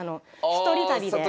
一人旅で。